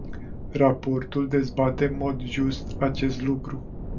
Raportul dezbate în mod just acest lucru.